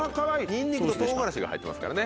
ニンニクと唐辛子が入ってますからね